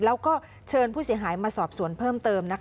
แล้วก็เชิญผู้เสียหายมาสอบสวนเพิ่มเติม